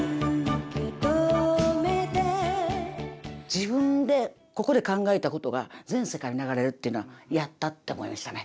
自分でここで考えたことが全世界に流れるっていうのはやった！って思いましたね。